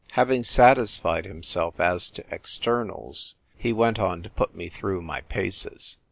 Having satisfied himself as to externals, he went on to put me through my paces.